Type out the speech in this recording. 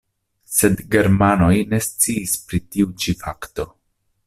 Sed germanoj ne sciis pri tiu ĉi fakto.